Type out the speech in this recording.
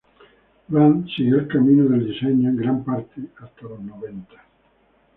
Rand siguió el camino del diseño en gran parte hasta los noventa.